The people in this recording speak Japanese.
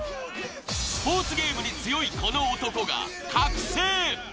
スポーツゲームに強いこの男が覚醒！